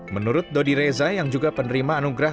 menurut dodi reza yang juga penerima anugerah